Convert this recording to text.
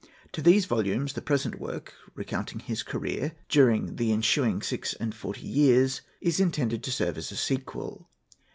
To those volumes the present work, recounting his career during the ensuing six and forty years, is intended to serve as a sequel.